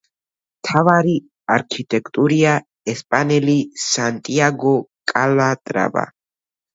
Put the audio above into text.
მთავარი არქიტექტორია ესპანელი სანტიაგო კალატრავა.